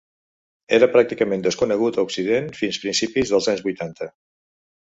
Era pràcticament desconegut a Occident fins principis dels anys vuitanta.